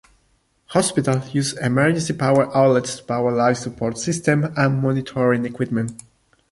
Hospitals use emergency power outlets to power life support systems and monitoring equipment.